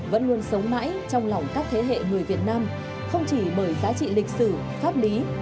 vẫn luôn sống mãi trong lòng các thế hệ người việt nam không chỉ bởi giá trị lịch sử pháp lý